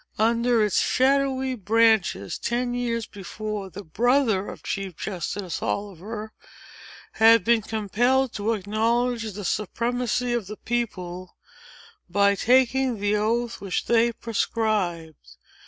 Under its shadowy branches, ten years before, the brother of Chief Justice Oliver had been compelled to acknowledge the supremacy of the people, by taking the oath which they prescribed.